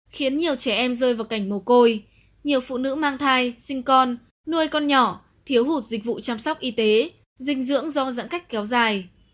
khiến nhiều trẻ em rơi vào cảnh mồ côi nhiều phụ nữ mang thai sinh con nuôi con nhỏ thiếu hụt dịch vụ chăm sóc y tế dinh dưỡng do giãn cách kéo dài